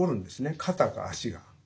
肩か足が。